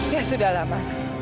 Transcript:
ya sudahlah mas